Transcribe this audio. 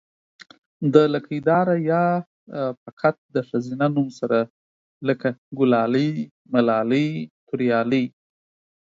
دا ۍ دا واحد ښځينه نوم سره لګي، ګلالۍ ملالۍ توريالۍ